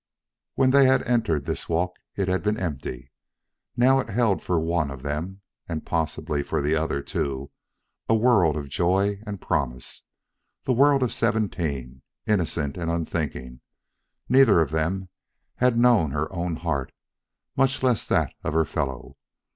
When they had entered this walk, it had been empty. Now it held for one of them and possibly for the other, too a world of joy and promise; the world of seventeen. Innocent and unthinking, neither of them had known her own heart, much less that of her fellow.